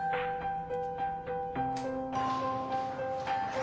あ。